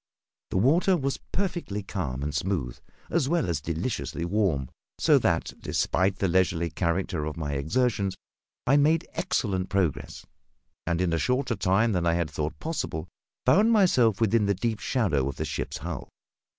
The water was perfectly calm and smooth, as well as deliciously warm; so that, despite the leisurely character of my exertions, I made excellent progress, and, in a shorter time than I had thought possible, found myself within the deep shadow of the ship's hull.